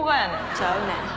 ちゃうねん。